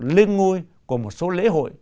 lên ngôi của một số lễ hội